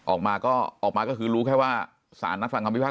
ออกมาก็คือรู้แค่ว่าสารนัดฟังคำวิพักษณ์